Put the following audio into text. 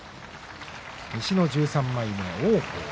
西の１３枚目、王鵬